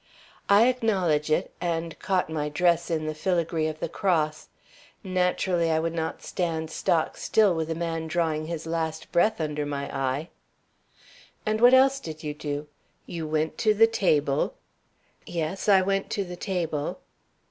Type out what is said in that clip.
"I acknowledge it, and caught my dress in the filagree of the cross. Naturally I would not stand stock still with a man drawing his last breath under my eye." "And what else did you do? You went to the table " "Yes, I went to the table."